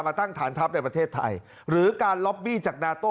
มาตั้งฐานทัพในประเทศไทยหรือการล็อบบี้จากนาโต้